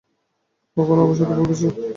কখনো অবসাদে ভুগেছো?